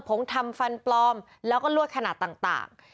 ผงทำฟันปลอมแล้วก็ลวดขนาดต่าง